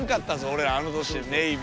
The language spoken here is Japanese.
俺あの年でネイビーは。